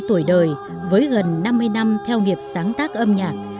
bảy mươi năm tuổi đời với gần năm mươi năm theo nghiệp sáng tác âm nhạc